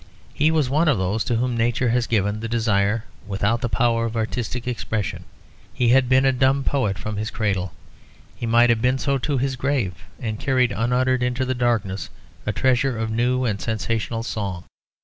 He was one of those to whom nature has given the desire without the power of artistic expression. He had been a dumb poet from his cradle. He might have been so to his grave, and carried unuttered into the darkness a treasure of new and sensational song.